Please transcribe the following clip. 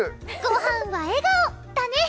ごはんは笑顔だね！